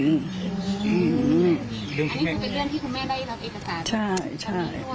อันนี้คือเป็นเรื่องที่คุณแม่ได้รับเอกสาร